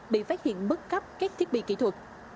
bị phát hiện mất cắp các thiết bị kỹ thuật